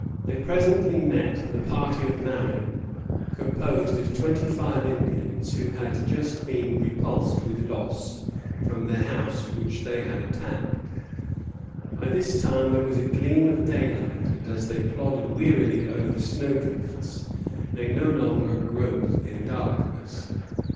They presently met the party of Marin, composed of twenty five Indians, who had just been repulsed with loss from the house which they had attacked. By this time there was a gleam of daylight, and as they plodded wearily over the snow drifts, they no longer groped in darkness.